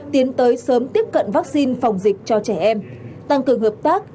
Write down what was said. tiến tới sớm tiếp cận vaccine phòng dịch cho trẻ em tăng cường hợp tác